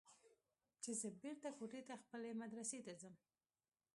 چې زه بېرته کوټې ته خپلې مدرسې ته ځم.